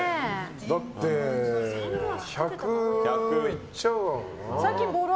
だって１００いっちゃうからな。